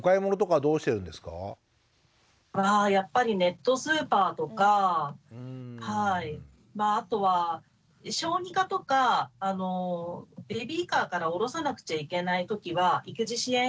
やっぱりネットスーパーとかまああとは小児科とかベビーカーから降ろさなくちゃいけないときは育児支援